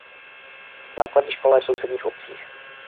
Základní škola je v sousedních obcích.